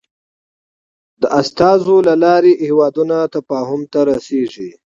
د د ډيپلوماسی له لارې هېوادونه تفاهم ته رسېږي.